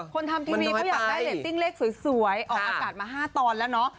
ทำทีวีเขาอยากได้เรตติ้งเลขสวยออกอากาศมา๕ตอนแล้วเนาะ